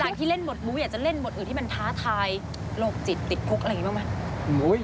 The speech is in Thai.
ที่เล่นบทบู้อยากจะเล่นบทอื่นที่มันท้าทายโรคจิตติดคุกอะไรอย่างนี้บ้างไหม